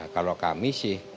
kalau kami sih